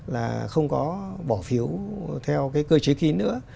là không có bỏ phiếu theo cái cơ chế ký nữa